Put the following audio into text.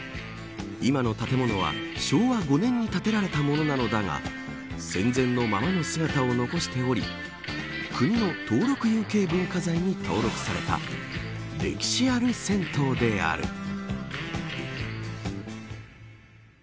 今の建物は、昭和５年に建てられたものなのだが戦前のままの姿を残しており国の登録有形文化財に登録された歴史ある銭湯である。